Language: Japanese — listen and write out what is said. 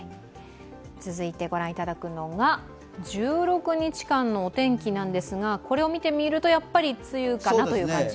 続いて１６日間のお天気なんですがこれを見てみると、やっぱり梅雨かなという感じ。